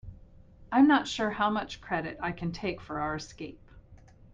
I'm not sure how much credit I can take for our escape.